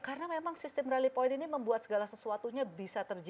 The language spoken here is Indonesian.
karena memang sistem rally point ini membuat segala sesuatunya bisa terjadi